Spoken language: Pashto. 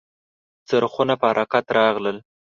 څرخونه په حرکت راغلل .